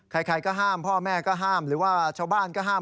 ใครก็ห้ามพ่อแม่ก็ห้ามหรือว่าชาวบ้านก็ห้าม